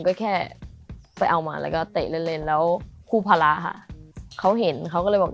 ก็คือครูพาราค่ะเขาเห็นเขาก็เลยบอก